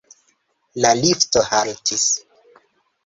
La lifto haltis.